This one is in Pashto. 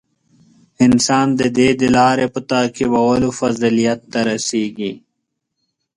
• انسان د دې د لارې په تعقیبولو فضیلت ته رسېږي.